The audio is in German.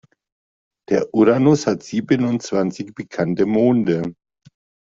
Der Uranus hat siebenundzwanzig bekannte Monde.